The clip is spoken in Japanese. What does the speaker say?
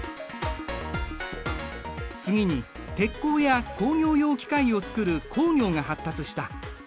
次に鉄鋼や工業用機械をつくる工業が発達した。